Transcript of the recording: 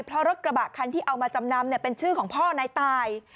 เพราะรถกระบะคันที่เอามาจำนำเป็นชื่อของพ่อนายตาย